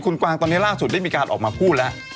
คุณกวังล่างสุดเลยได้มีการออกมาพูดแล้ว